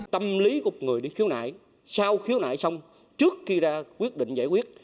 tâm lý của người đi khiếu nại sao khiếu nại xong trước khi ra quyết định giải quyết